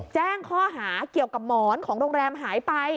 แจ้งข้อหาเกี่ยวกับหมอนของโรงแรมหายไป